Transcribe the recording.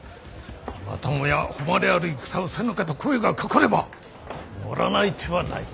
またもや誉れある戦をせぬかと声がかかれば乗らない手はない。